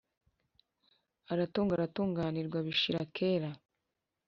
aratunga aratunganirwa. bishira kera